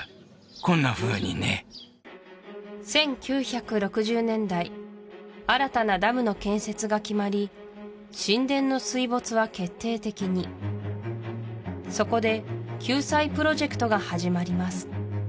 こんなふうにね１９６０年代新たなダムの建設が決まり神殿の水没は決定的にそこで救済プロジェクトが始まります